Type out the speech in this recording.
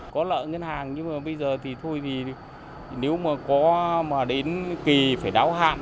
có lợn ngân hàng nhưng mà bây giờ thì thôi thì nếu mà có mà đến kỳ phải đáo hạm